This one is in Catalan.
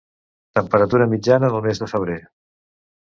Temperatura mitjana del mes de febrer.